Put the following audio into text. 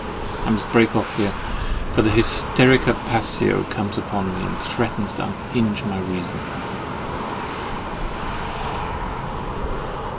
I must break off here; for the hysterica passio comes upon me, and threatens to unhinge my reason.